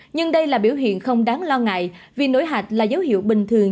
nhưng đây là biểu hiện không đáng lo ngại vì nổi hạch là dấu hiệu bình thường